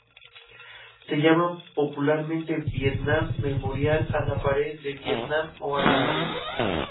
Se llama popularmente Vietnam Memorial, la Pared de Vietnam o la Pared.